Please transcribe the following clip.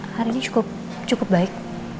hari ini cukup baik